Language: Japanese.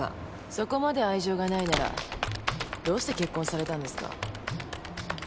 そこまで愛情がないならどうして結婚されたんですか？